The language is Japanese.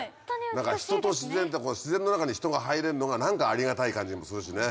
人と自然って自然の中に人が入れるのが何かありがたい感じもするしね。